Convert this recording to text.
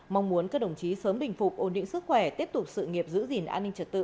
mong muốn các đồng chí sớm bình phục ổn định sức khỏe tiếp tục sự nghiệp giữ gìn an ninh trật tự